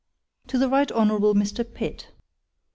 TO THE RIGHT HONOURABLE M r. P I T T.